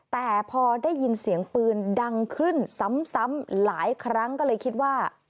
แต่พอได้ยินเสียงปืนดังขึ้นซ้ำหลายครั้งก็เลยคิดว่า